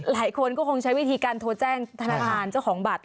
หลายคนก็คงใช้วิธีการโทรแจ้งธนาคารเจ้าของบัตร